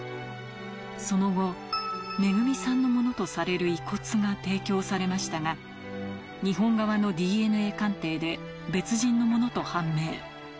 その後、めぐみさんのものとされる遺骨が提供されましたが、日本側のＤＮＡ鑑定で別人のものと判明。